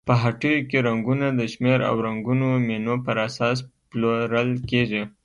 په هټیو کې رنګونه د شمېر او رنګونو مینو پر اساس پلورل کیږي.